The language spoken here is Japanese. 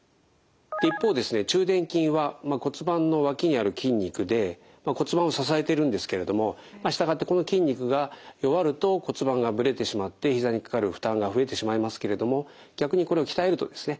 一方ですね中殿筋は骨盤の脇にある筋肉で骨盤を支えているんですけれども従ってこの筋肉が弱ると骨盤がぶれてしまってひざにかかる負担が増えてしまいますけれども逆にこれを鍛えるとですね